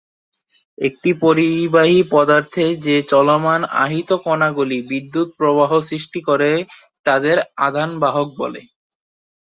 একটি পরিবাহী পদার্থে, যে চলমান আহিত কণাগুলি বৈদ্যুতিক প্রবাহ সৃষ্টি করে তাদের আধান বাহক বলে।